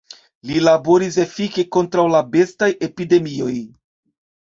Li laboris efike kontraŭ la bestaj epidemioj.